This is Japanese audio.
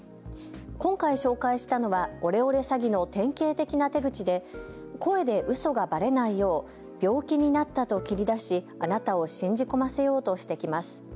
今回、紹介したのはオレオレ詐欺の典型的な手口で声でうそがばれないよう病気になったと切り出しあなたを信じ込ませようとしてきます。